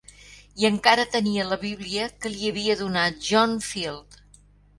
I encara tenia la Bíblia que li havia donat John Field.